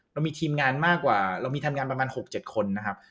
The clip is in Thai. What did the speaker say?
เรามีทีมงานมากกว่าเรามีทำงานประมาณ๖๗คนนะครับ